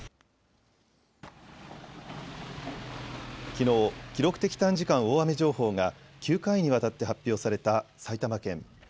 きのう記録的短時間大雨情報が９回にわたって発表された埼玉県。